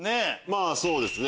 そうですね